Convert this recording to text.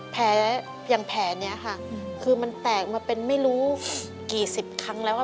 อย่างแผลนี้ค่ะคือมันแตกมาเป็นไม่รู้กี่สิบครั้งแล้วอ่ะ